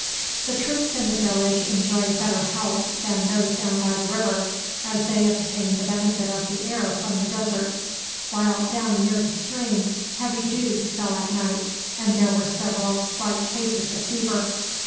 The troops in the village enjoyed better health than those down by the river, as they obtained the benefit of the air from the desert, while down near the stream heavy dews fell at night and there were several slight cases of fever.